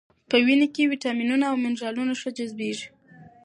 په وینه کې ویټامینونه او منرالونه ښه جذبېږي.